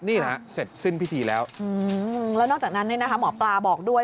นี่นะฮะเสร็จสิ้นพิธีแล้วแล้วนอกจากนั้นเนี่ยนะคะหมอปลาบอกด้วย